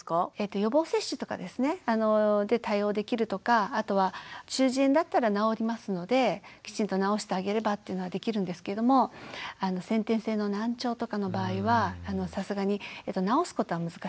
予防接種とかで対応できるとかあとは中耳炎だったら治りますのできちんと治してあげればっていうのができるんですけれども先天性の難聴とかの場合はさすがに治すことは難しいんですね。